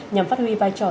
nhằm phát huy vai trò